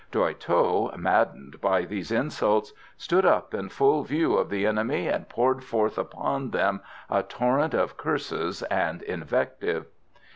Doy Tho, maddened by these insults, stood up in full view of the enemy, and poured forth upon them a torrent of curses and invective.